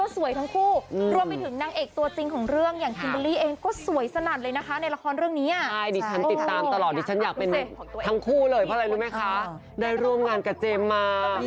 ส่วนคิมก็เล่นดีมากเดี๋ยวเรื่องมันจะเข้มข้นแล้วนะคะ